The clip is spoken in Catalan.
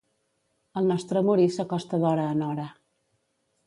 El nostre morir s'acosta d'hora en hora.